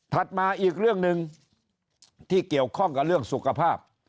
มาอีกเรื่องหนึ่งที่เกี่ยวข้องกับเรื่องสุขภาพ